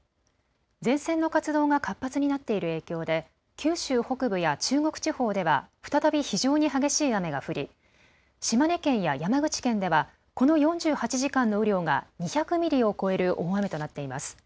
前線の活動が活発になっている影響で九州北部や中国地方では再び非常に激しい雨が降り島根県や山口県ではこの４８時間の雨量が２００ミリを超える大雨となっています。